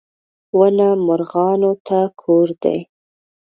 • ونه مرغانو ته کور دی.